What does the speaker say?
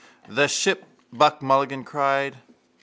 —The Ship, Buck Mulligan cried.